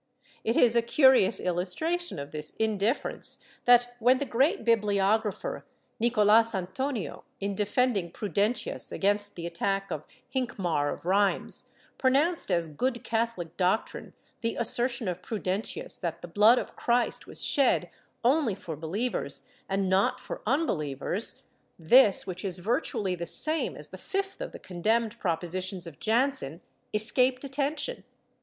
^ It is a curious illustration of this indifference that when the great bibliographer, Nicolas Antonio, in defending Prudentius against the attack of Hincmar of Reims, pronounced as good Catholic doctrine the assertion of Prudentius that the blood of Christ was shed only for behevers and not for unbelievers, this, which is virtually the same as the fifth of the condemned propositions of Jansen, escaped attention.